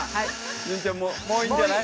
潤ちゃんもういいんじゃない？